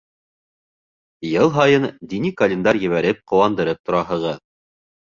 Йыл һайын дини календарь ебәреп ҡыуандырып тораһығыҙ.